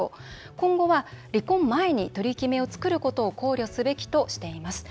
今後は離婚前に取り決めを作ることを考慮すべき」としています。